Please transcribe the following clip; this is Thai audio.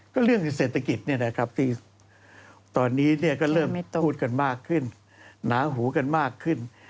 ก็เรื่องเศรษฐกิจที่ตอนนี้ก็เริ่มพูดกันมากขึ้นหนาหูกันมากขึ้น